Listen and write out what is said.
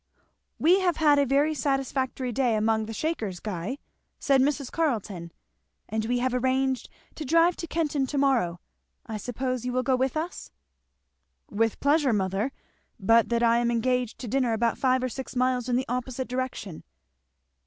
"We have had a very satisfactory day among the Shakers, Guy," said Mrs. Carleton; "and we have arranged to drive to Kenton to morrow I suppose you will go with us?" "With pleasure, mother, but that I am engaged to dinner about five or six miles in the opposite direction."